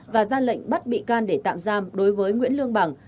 và ra lệnh bắt bị can để tạm giam đối với nguyễn lương bằng